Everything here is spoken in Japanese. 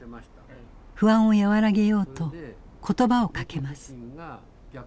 不安を和らげようと言葉をかけます。